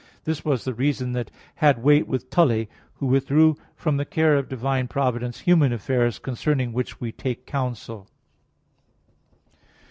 This was the reason that had weight with Tully, who withdrew from the care of divine providence human affairs concerning which we take counsel.